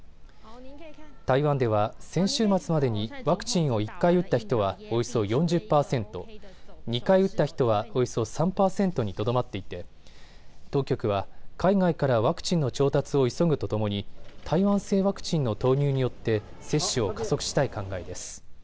台湾では先週末までにワクチンを１回打った人はおよそ４０％、２回打った人はおよそ３％にとどまっていて当局は海外からワクチンの調達を急ぐとともに台湾製ワクチンの投入によって接種を加速したい考えです。